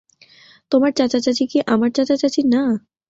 তোমার চাচা চাচী কী আমার চাচা চাচী না?